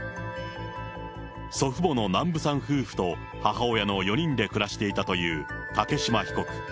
祖父母の南部さん夫婦と母親の４人で暮らしていたという竹島被告。